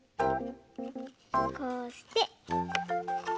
こうして。